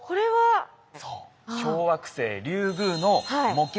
そう小惑星リュウグウの模型。